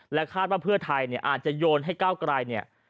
และคาดว่าเภือไทยอาจจะโยนให้เก้ากลาย